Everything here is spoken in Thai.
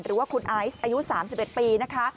หรือว่าคุณไอซ์อายุ๓๑ปีนะคะ